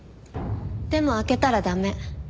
でも開けたら駄目。